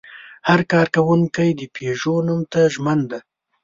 هر کارکوونکی د پيژو نوم ته ژمن دی.